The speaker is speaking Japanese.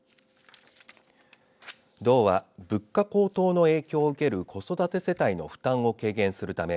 道は物価高騰の影響を受ける子育て世帯の負担を軽減するため